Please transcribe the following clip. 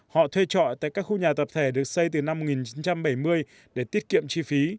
họ thuê trọ tại các khu nhà tập thể được xây từ năm một nghìn chín trăm bảy mươi để tiết kiệm chi phí